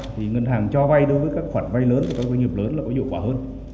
thì ngân hàng cho vay đối với các khoản vay lớn của các doanh nghiệp lớn là có hiệu quả hơn